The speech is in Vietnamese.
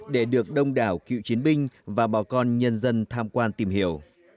để được đông đảo cựu chiến binh và bà con nhân dân tham quan tìm hiểu